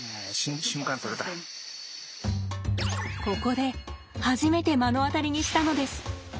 ここで初めて目の当たりにしたのです。